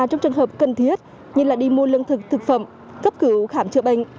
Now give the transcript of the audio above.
trong trường hợp cần thiết như là đi mua lương thực thực phẩm cấp cửu khảm chữa bệnh